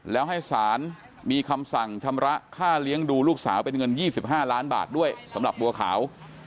แล้วให้สารมีคำสั่งชำระค่าเลี้ยงดูลูกสาวเป็นเงิน๒๕ล้านบาทด้วยสำหรับบัวขาว